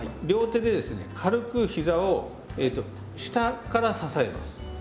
両手で軽くひざを下から支えます。